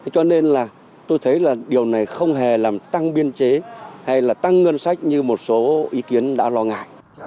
cho nên là tôi thấy là điều này không hề làm tăng biên chế hay là tăng ngân sách như một số ý kiến đã lo ngại